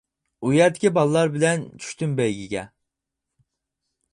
ئۇ يەردىكى بالىلار بىلەن، چۈشتۈم بەيگىگە.